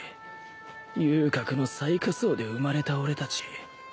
遊郭の最下層で生まれた俺たち